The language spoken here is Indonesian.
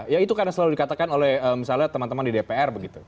ya itu karena selalu dikatakan oleh misalnya teman teman di dpr begitu